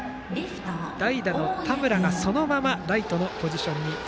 代打の田村がそのままライトのポジションです